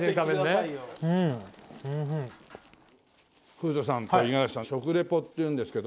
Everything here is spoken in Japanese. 古田さんと五十嵐さん食レポっていうんですけど。